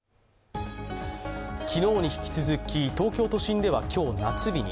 昨日に引き続き東京都心では今日夏日に。